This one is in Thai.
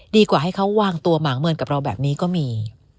ดีกว่าให้เขาวางตัวหมางเหมือนกับเราแบบนี้ก็มี